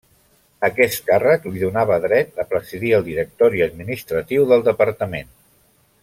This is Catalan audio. Aquest càrrec li donava dret a presidir el directori administratiu del departament.